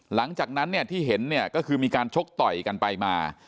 หลังจากนั้นที่เห็นก็คือมีการชกต่อยกันไปมา